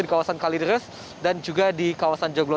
di kawasan kalideres dan juga di kawasan joglo